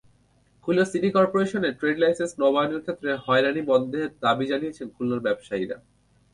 Khulna city করপোরেশনের trade licence নবায়নের ক্ষেত্রে হয়রানি বন্ধের দাবি জানিয়েছেন খুলনার ব্যবসায়ীরা।